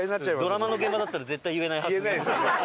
ドラマの現場だったら絶対言えない。